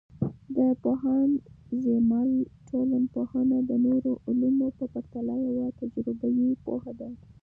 د پوهاند زیمل ټولنپوهنه د نورو علومو په پرتله یوه تجربوي پوهه ده.